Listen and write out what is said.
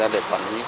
dù biết là nguy hiểm